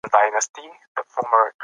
د اتحادیو له مسؤلینو وغوښتل چي په ګډه سره